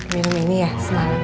minum ini ya semalam